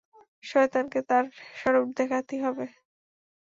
শয়তানকে তার স্বরূপ দেখাতেই হবে!